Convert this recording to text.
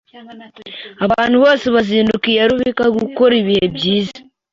Abantu bose bazinduka iyarubika gukora ibihe byiza